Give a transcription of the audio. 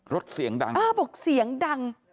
เสียงดังเออบอกเสียงดัง